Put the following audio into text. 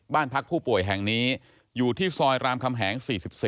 บ้านพักผู้ป่วยแห่งนี้อยู่ที่ซอยรามคำแหง๔๔